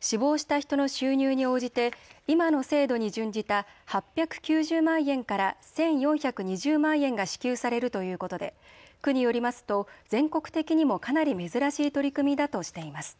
死亡した人の収入に応じて今の制度に準じた８９０万円から１４２０万円が支給されるということで区によりますと全国的にもかなり珍しい取り組みだとしています。